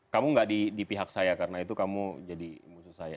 kamu gak di pihak saya karena itu kamu jadi musuh saya